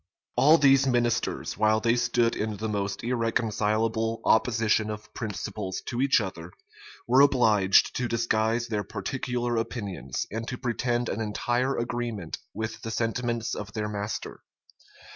All these ministers, while they stood in the most irreconcilable opposition of principles to each other, were obliged to disguise their particular opinions, and to pretend an entire agreement with the sentiments of their master.